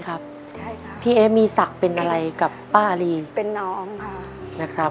เข้ามีสักเป็นอะไรกับป้าล่ะ